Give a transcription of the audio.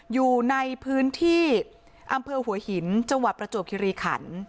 อยู่ในพื้นที่อำเภอหัวหินจังหวัดประจวบคิริขัน